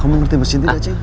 kamu ngerti mesinnya aja